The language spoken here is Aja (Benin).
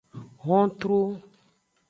Hontru.